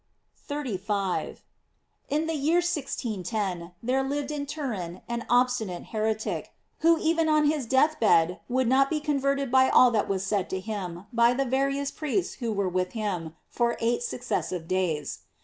* 35. — In the year 1610, there lived in Turin an obstinate heretic, who even on his death bed would not be converted by all that was said to him by the various priests \vho were with him for eight successive days.